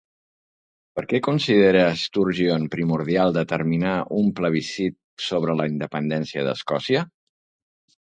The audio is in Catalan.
Per què considera Sturgeon primordial demanar un plebiscit sobre la independència d'Escòcia?